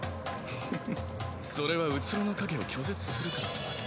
フフフそれは虚の影を拒絶するからさ。